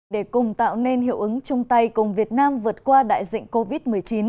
để cùng tạo nên hiệu ứng chung tay cùng việt nam vượt qua đại dịch covid một mươi chín